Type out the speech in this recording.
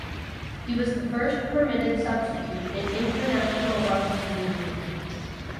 He was the first permitted substitute in international rugby union.